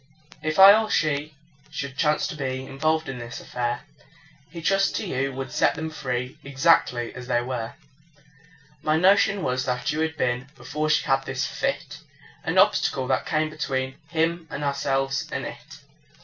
If I or she should chance to be Involved in this affair, He trusts to you to set them free, Exactly as we were. My notion was that you had been (Before she had this fit) An obstacle that came between Him and ourselves and it.